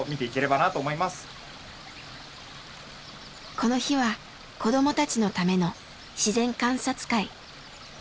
この日は子供たちのための自然観察会。